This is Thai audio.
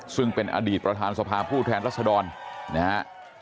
ซึ่งเป็นอดีตประธานสภาผู้แทนรัศดรนะฮะ